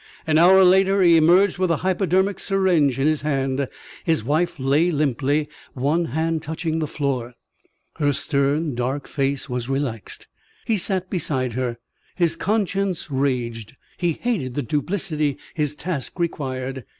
An hour later he emerged with a hypodermic syringe in his hand. His wife lay limply, one hand touching the floor. Her stern, dark face was relaxed. He sat beside her. His conscience raged. He hated the duplicity his task required.